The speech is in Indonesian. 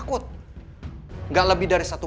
empat assis drag daripada